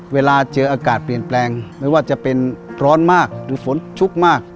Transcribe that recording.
เวลาเจออากาศเปลี่ยนแปลงไม่ว่าจะเป็นร้อนมากหรือฝนชุกมาก